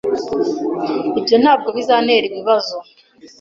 Ibyo ntabwo bizantera ibibazo.